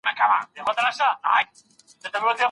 ژوند ته د دروني ځواک له لاري وګورئ.